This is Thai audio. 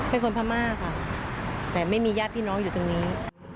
เป็นคนพม่าค่ะแต่ไม่มีญาติพี่น้องอยู่ตรงนี้